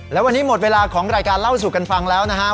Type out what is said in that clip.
แล้ววันนี้หมดเวลาของรายการเล่าสู่กันฟังแล้วนะครับ